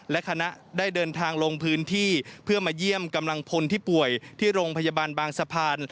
และคณะได้เดินทางลงพื้นที่เพื่อมาเยี่ยมกำลังพลที่ป่วยที่โรงพยาบาลบางสะพาน